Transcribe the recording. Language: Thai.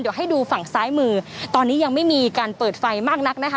เดี๋ยวให้ดูฝั่งซ้ายมือตอนนี้ยังไม่มีการเปิดไฟมากนักนะคะ